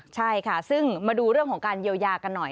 ใช่ค่ะซึ่งมาดูเรื่องของการเยียวยากันหน่อย